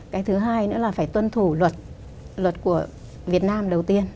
cái thứ hai nữa là phải tuân thủ luật luật của việt nam đầu tiên